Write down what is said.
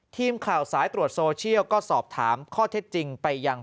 ทีมข่าวสายตรวจโซเชียลก็สอบถามข้อเท็จจริงไปยัง